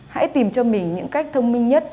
hãy tìm cho mình những cách thông minh nhất